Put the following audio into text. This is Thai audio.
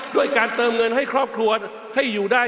ด้วยการเติมเงินให้ครอบครัวให้อยู่ได้